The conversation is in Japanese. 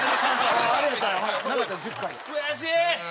悔しい！